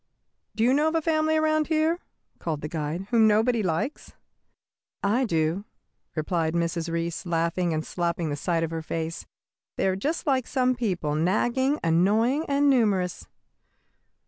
"Do you know of a family around here," called the guide, "whom nobody likes?" "I do," replied Mrs. Reece, laughing and slapping the side of her face. "They are just like some people, nagging, annoying, and numerous."